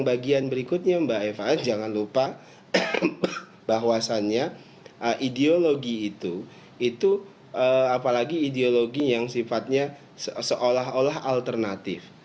bagian berikutnya mbak eva jangan lupa bahwasannya ideologi itu itu apalagi ideologi yang sifatnya seolah olah alternatif